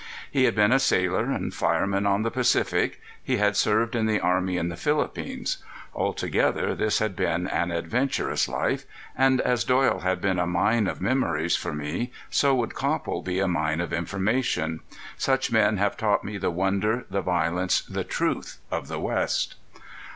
He had been a sailor and fireman on the Pacific, he had served in the army in the Philippines. Altogether his had been an adventurous life; and as Doyle had been a mine of memories for me so would Copple be a mine of information. Such men have taught me the wonder, the violence, the truth of the west.